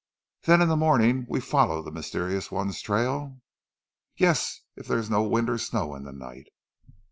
"Then in the morning we follow the mysterious one's trail?" "Yes, if there is no wind or snow in the night."